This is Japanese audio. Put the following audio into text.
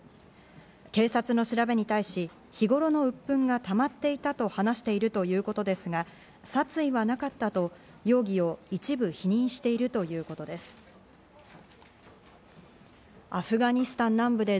警察の調べに対し、日頃のうっぷんがたまっていたと話しているということですが、殺意はなかったと容疑を一部否認しているということです。